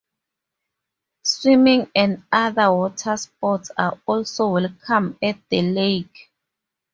Swimming and other watersports are also welcome at the lake.